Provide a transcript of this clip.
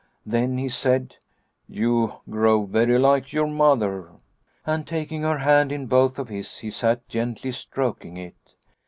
" Then he said, ' You grow very like your Mother,' and taking her hand in both of his he sat gently stroking it.